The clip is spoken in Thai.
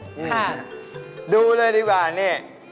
นี่ดูเลยดีกว่านี่